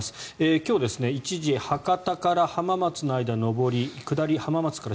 今日、一時博多から浜松までの間の上り線下り、浜松から